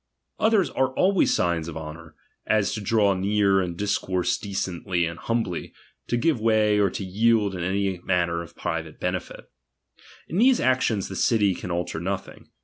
Others are always signs of honour, as to draw near and dis course decently and humbly, to give way or to yield m any matter of private benefit. In these actions the city can alter nothing.